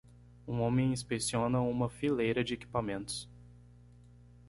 Um homem inspeciona uma fileira de equipamentos.